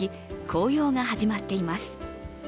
紅葉が始まっています。